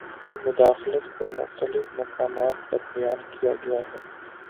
اور مداخلت کو مختلف مقامات پر بیان کیا گیا ہے